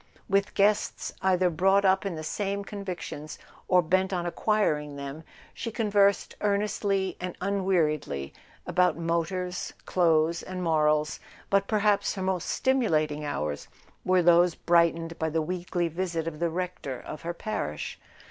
With guests either brought up in the same convictions or bent on acquiring them she conversed earnestly and un weariedly about motors, clothes and morals; but per¬ haps her most stimulating hours were those bright¬ ened by the weekly visit of the Rector of her parish.